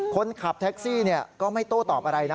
คนขับแท็กซี่ก็ไม่โต้ตอบอะไรนะ